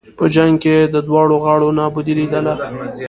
په جنګ کې یې د دواړو غاړو نابودي لېدله.